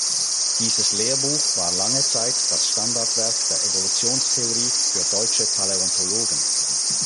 Dieses Lehrbuch war lange Zeit das Standardwerk der Evolutionstheorie für deutsche Paläontologen.